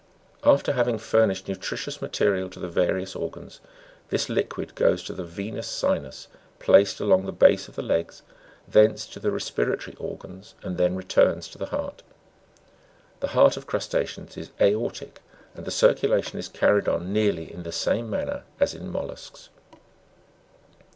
After having furnished nutritious material to the various organs, this liquid goes to the venous sinus placed "along the base of the legs, thence to the respiratory organs (br), and then returns to the heart. The heart of crusta'ceans is aortic, and the circulation is carried on nearly in the same manner as in mollusks.